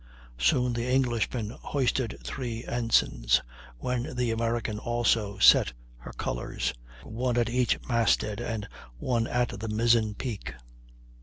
Soon the Englishman hoisted three ensigns, when the American also set his colors, one at each mast head, and one at the mizzen peak.